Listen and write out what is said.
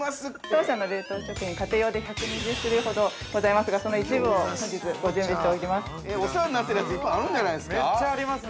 ◆当社の冷凍食品家庭用で１２０種類ほどございますが、その一部を本日、ご準備しております。